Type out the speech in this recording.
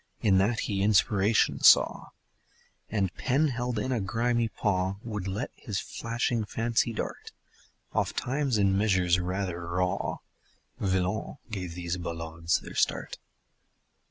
In that he inspiration saw And, pen held in a grimy paw Would let his flashing fancy dart Ofttimes in measures rather raw Villon gave these ballades their start.